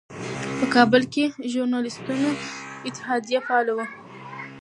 په کابل کې ژورنالېستانو اتحادیه فعاله وه.